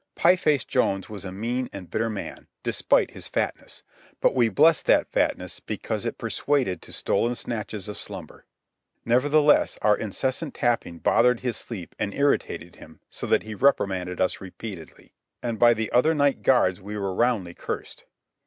Pie Face Jones was a mean and bitter man, despite his fatness; but we blessed that fatness because it persuaded to stolen snatches of slumber. Nevertheless our incessant tapping bothered his sleep and irritated him so that he reprimanded us repeatedly. And by the other night guards we were roundly cursed.